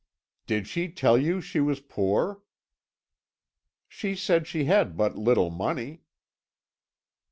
"Did she tell you she was poor?" "She said she had but little money."